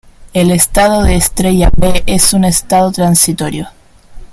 El estado de estrella Be es un estado transitorio.